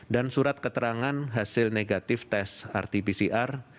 dan surat keterangan hasil negatif tes rt pcr